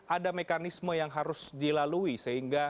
ada mekanisme yang harus dilalui sehingga